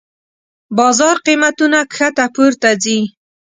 بازار قېمتونه کښته پورته ځي.